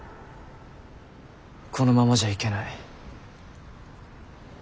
このままじゃ行けない。